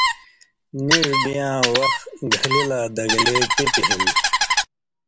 نیڙ بېن٘یاں وخ گھلی لا دگلے ٹِپیۡ ہِن